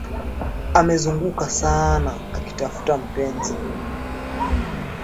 Amezunguka sana akitafuta mpenzi